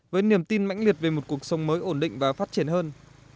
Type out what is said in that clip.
với niềm tin mãnh liệt về một cuộc sống mới ổn định và phát triển hơn